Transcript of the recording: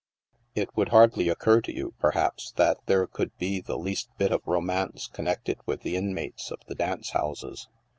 It would hardly occur to you, perhaps, that there could be the least bit of romance connected with the inmates of the dance houses.